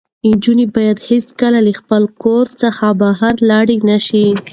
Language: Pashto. نجونې باید هېڅکله له خپل کور څخه بهر لاړې نه شي.